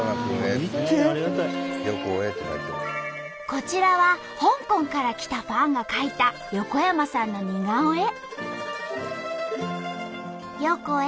こちらは香港から来たファンが描いた横山さんの似顔絵。